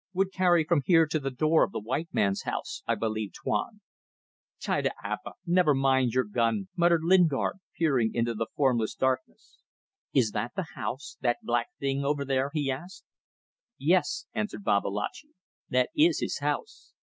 Would carry from here to the door of the white man's house, I believe, Tuan." "Tida apa. Never mind your gun," muttered Lingard, peering into the formless darkness. "Is that the house that black thing over there?" he asked. "Yes," answered Babalatchi; "that is his house.